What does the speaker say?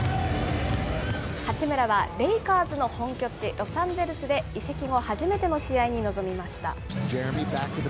八村はレイカーズの本拠地、ロサンゼルスで移籍後、初めての試合に臨みました。